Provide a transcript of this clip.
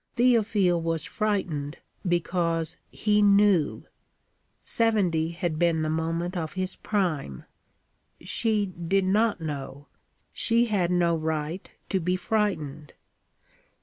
Théophile was frightened because he knew: '70 had been the moment of his prime. She did not know; she had no right to be frightened.